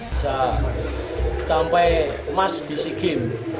bisa sampai emas di sea games